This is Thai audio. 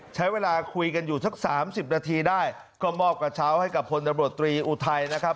ใช้เวลาคุยกันอยู่สักสามสิบนาทีได้ก็มอบกระเช้าให้กับพลตำรวจตรีอุทัยนะครับ